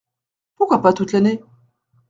Pourquoi pas toute l’année ?